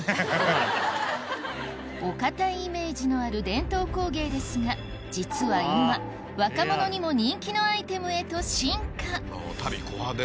お堅いイメージのある伝統工芸ですが実は今若者にも人気のアイテムへと進化足袋。